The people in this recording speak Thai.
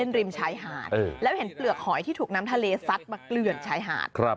ริมชายหาดแล้วเห็นเปลือกหอยที่ถูกน้ำทะเลซัดมาเกลื่อนชายหาด